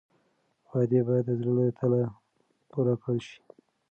وعدې باید د زړه له تله پوره کړل شي.